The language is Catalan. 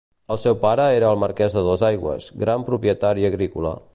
El seu pare era el marquès de Dosaigües, gran propietari agrícola.